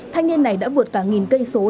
thanh niên này đã vượt cả nghìn cây số xã hội